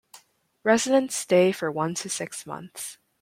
Residents stay for one to six months.